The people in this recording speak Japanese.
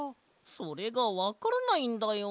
それがわからないんだよ。